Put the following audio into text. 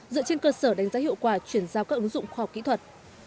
dựa trên cơ sở đánh giá hiệu quả chuyển giao các ứng dụng khoa học kỹ thuật